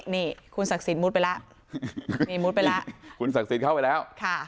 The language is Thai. นี่คุณศักดิ์สิทธิ์มุดไปแล้ว